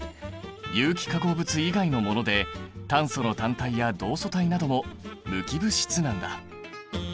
有機化合物以外のもので炭素の単体や同素体なども無機物質なんだ。